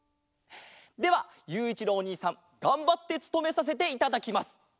ではゆういちろうおにいさんがんばってつとめさせていただきます！